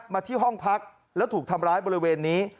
มาที่ห้องพักแล้วถูกทำร้ายบริเวณนี้